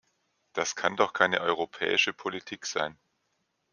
Das kann doch keine europäische Politik sein!